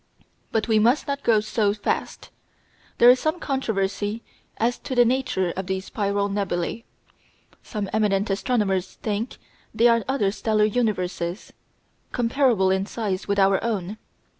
But we must not go so fast. There is much controversy as to the nature of these spiral nebulæ. Some eminent astronomers think they are other stellar universes, comparable in size with our own.